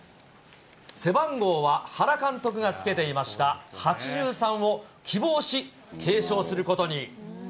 背番号は原監督がつけていました８３を希望し継承することに。